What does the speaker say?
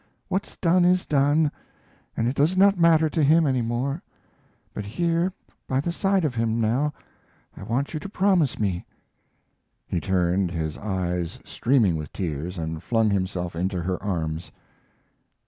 "What's done is done, and it does not matter to him any more; but here by the side of him now I want you to promise me " He turned, his eyes streaming with tears, and flung himself into her arms.